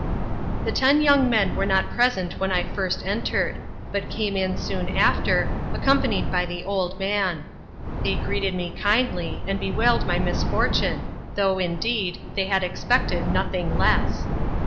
The ten young men were not present when I first entered, but came in soon after, accompanied by the old man. They greeted me kindly, and bewailed my misfortune, though, indeed, they had expected nothing less.